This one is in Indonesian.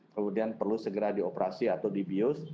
kemudian perlu segera dioperasi atau di bios